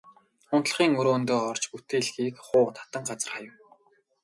Унтлагын өрөөндөө орж бүтээлгийг хуу татан газар хаяв.